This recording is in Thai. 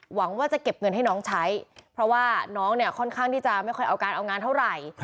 หวังว่าจะเก็บเงินให้น้องใช้เพราะว่าน้องเนี่ยค่อนข้างที่จะไม่ค่อยเอาการเอางานเท่าไหร่